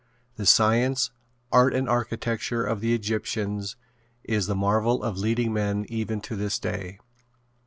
The science, art and architecture of the Egyptians is the marvel of leading men even to this day.